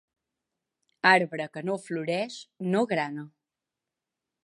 Arbre que no floreix, no grana.